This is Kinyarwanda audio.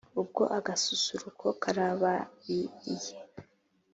Ubwo agasusuruko karababiriye